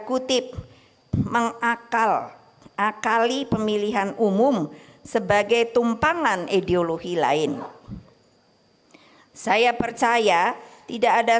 kutip mengakal akali pemilihan umum sebagai tumpangan ideologi lain saya percaya tidak ada